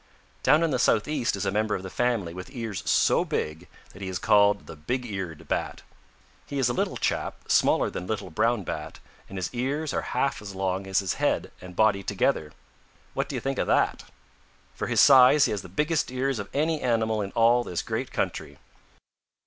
"Down in the Southeast is a member of the family with ears so big that he is called the Big eared Bat. He is a little chap, smaller than Little Brown Bat, and his ears are half as long his head and body together. What do you think of that? For his size he has the biggest ears of any animal in all this great country.